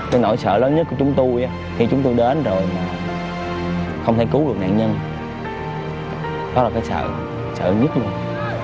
cái nỗi sợ lớn nhất của chúng tôi khi chúng tôi đến rồi không thể cứu được nạn nhân đó là cái sợ sợ nhất mà